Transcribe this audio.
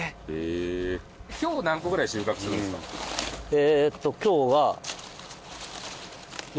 えっと今日は。